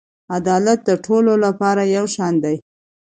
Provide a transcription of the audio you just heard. عدالت د ټولو لپاره یو شان دی.